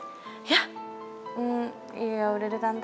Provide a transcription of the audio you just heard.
hmm iya udah deh tante